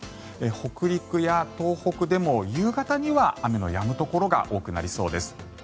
北陸や東北でも夕方には雨のやむところが多くなりそうです。